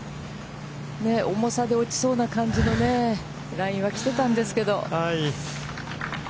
ねっ、重さで落ちそうな感じのラインは来てたんですけれども。